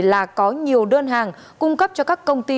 là có nhiều đơn hàng cung cấp cho các công ty